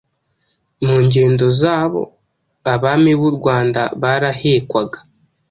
Mu ngendo zabo, abami b’ u Rwanda barahekwaga